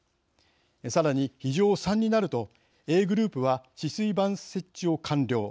さらに「非常３」になるとＡグループは止水板設置を完了。